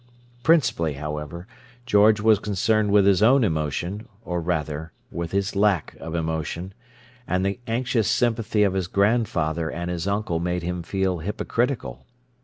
Principally, however, George was concerned with his own emotion, or rather, with his lack of emotion; and the anxious sympathy of his grandfather and his uncle made him feel hypocritical.